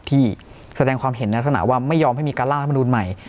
ที่แสดงความเห็นในลักษณะว่าไม่ยอมให้มีการล่างรัฐมนุนใหม่